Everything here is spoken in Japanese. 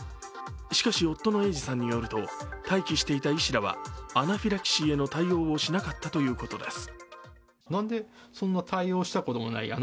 しかし、夫の英治さんによると待機していた医師らはアナフィラキシーへの対応をしなかったということです。